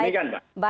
ini kan mbak